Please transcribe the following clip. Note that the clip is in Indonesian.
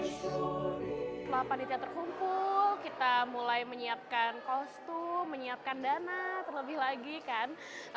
setelah panitia terkumpul kita mulai menyiapkan kostum menyiapkan dana terlebih lagi kan